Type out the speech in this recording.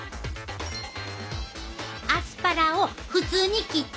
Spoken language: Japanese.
アスパラを普通に切って炒めると。